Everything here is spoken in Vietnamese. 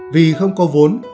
vì không có vốn